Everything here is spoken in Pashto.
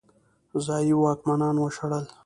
ځايي واکمنان وشړل.